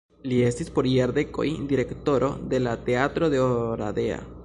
Li estis por jardekoj direktoro de la teatro de Oradea.